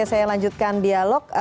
oke saya lanjutkan dialog